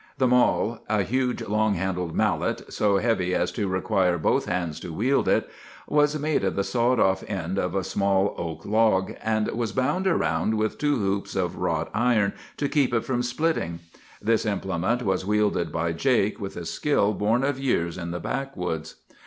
"The mall—a huge, long handled mallet, so heavy as to require both hands to wield it—was made of the sawed off end of a small oak log, and was bound around with two hoops of wrought iron to keep it from splitting. This implement was wielded by Jake, with a skill born of years in the backwoods.